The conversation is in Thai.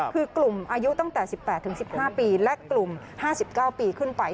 คือกลุ่มอายุตั้งแต่๑๘๑๕ปีและกลุ่ม๕๙ปีขึ้นไป